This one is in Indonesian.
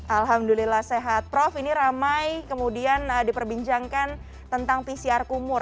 alhamdulillah sehat prof ini ramai kemudian diperbincangkan tentang pcr kumur